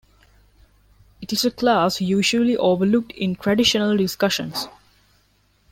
It is a class usually overlooked in traditional discussions.